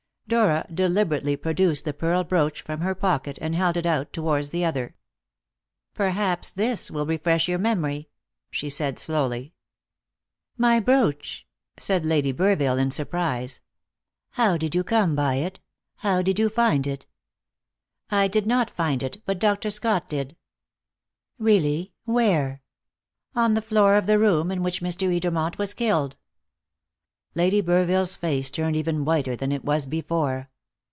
Dora deliberately produced the pearl brooch from her pocket, and held it out towards the other. "Perhaps this will refresh your memory?" she said slowly. "My brooch!" said Lady Burville in surprise. "How did you come by it? How did you find it?" "I did not find it, but Dr. Scott did." "Really! Where?" "On the floor of the room in which Mr. Edermont was killed." Lady Burville's face turned even whiter than it was before.